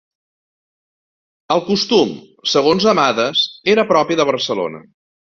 El costum, segons Amades, era propi de Barcelona.